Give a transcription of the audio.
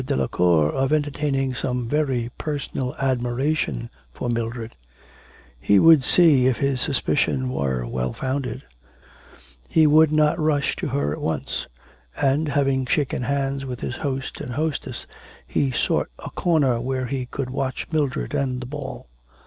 Delacour of entertaining some very personal admiration for Mildred; he would see if his suspicion were well founded; he would not rush to her at once; and, having shaken hands with his host and hostess, he sought a corner whence he could watch Mildred and the ball.